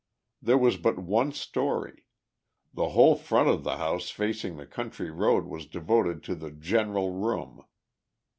There was but one story: the whole front of the house facing the country road was devoted to the "general room."